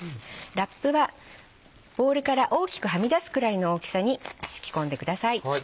ラップはボウルから大きくはみ出すくらいの大きさに敷き込んでください。